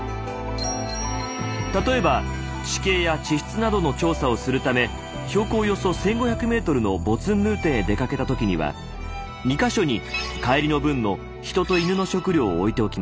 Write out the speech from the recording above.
例えば地形や地質などの調査をするため標高およそ１，５００ｍのボツンヌーテンへ出かけた時には２か所に帰りの分の人と犬の食料を置いておきました。